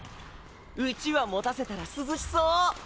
うちわ持たせたら涼しそ。